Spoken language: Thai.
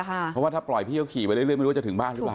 เพราะว่าถ้าปล่อยพี่เขาขี่ไปเรื่อยไม่รู้ว่าจะถึงบ้านหรือเปล่า